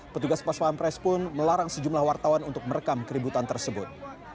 petugas pas pampres pun melarang sejumlah wartawan untuk merekam keributan tersebut